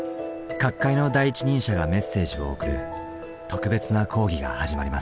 各界の第一人者がメッセージを送る特別な講義が始まります。